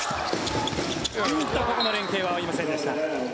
ここの連係は合いませんでした。